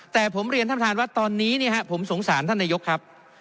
แต่ผมเรียนท่านประธานว่าตอนนี้ผมสงสารท่านนายกครับ